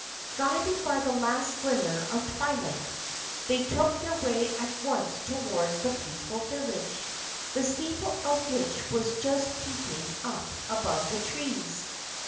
Guided by the last glimmer of twilight, they took their way at once towards the peaceful village, the steeple of which was just peeping up above the trees.